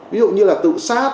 ví dụ như là tự sát